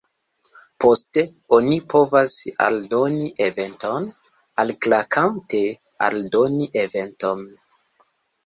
Poste oni povas aldoni eventon, alklakante 'Aldoni eventon'.